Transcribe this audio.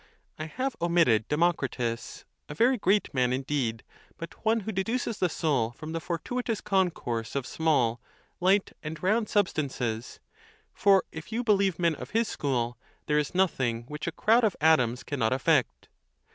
I have omitted Democritus, a very great man indeed, but one who deduces the soul from the fortuitous concourse of small, light, and round substances; for, if you believe men of his school, there is nothing which a crowd of atoms ON THE CONTEMPT OF DEATH. 19 cannot effect.